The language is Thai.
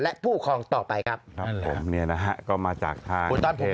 และผู้ครองต่อไปครับครับผมเนี่ยนะฮะก็มาจากทางคุณต้อนผม